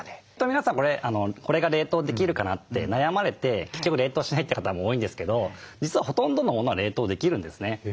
皆さんこれが冷凍できるかなって悩まれて結局冷凍しないって方も多いんですけど実はほとんどのものは冷凍できるんですね。